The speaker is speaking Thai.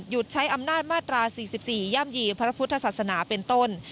ใช้อำนาจมาตรา๔๔ย่ำยีพระพุทธศาสนาเป็นต้น